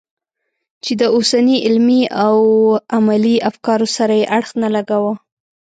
چې د اوسني علمي او عملي افکارو سره یې اړخ نه لګاوه.